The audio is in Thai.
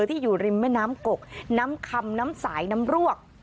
ที่อยู่ริมแม่น้ำกกน้ำคำน้ำสายน้ำรวก